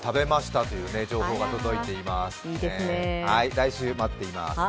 来週、待っています。